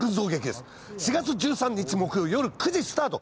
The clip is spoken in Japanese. ４月１３日木曜よる９時スタート。